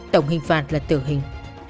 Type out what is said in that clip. tổng hình phạt là tử hình